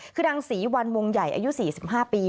คือนางศรีวันวงใหญ่อายุ๔๕ปี